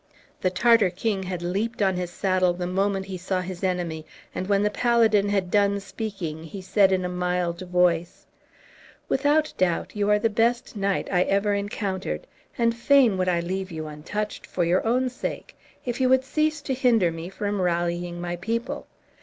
The Tartar king had leaped on his saddle the moment he saw his enemy, and when the paladin had done speaking, he said in a mild voice, "Without doubt you are the best knight I ever encountered, and fain would I leave you untouched for your own sake, if you would cease to hinder me from rallying my people.